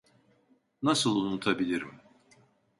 Nasıl unutabilirim?